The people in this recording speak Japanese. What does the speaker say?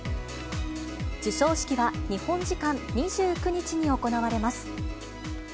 授賞式は日本時間２９日に行われます。